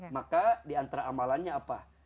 maka diantara amalannya apa